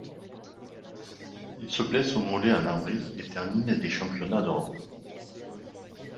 Il se blesse au mollet en avril et termine des Championnats d'Europe.